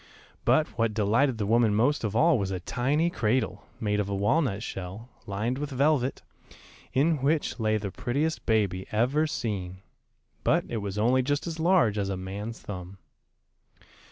But what delighted the woman most of all was a tiny cradle, made of a walnut shell, lined with velvet, in which lay the prettiest baby ever seen, but it was only just as large as a man's thumb.